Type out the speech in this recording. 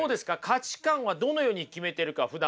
価値観はどのように決めてるかふだんから。